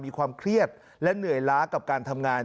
มีความเครียดและเหนื่อยล้ากับการทำงาน